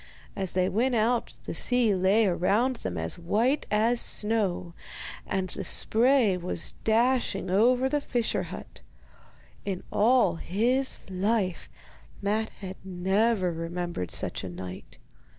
As they went out the sea lay around them as white as now, and the spray was dashing right over the fisher hut. In all his life Matte had never remembered such a night.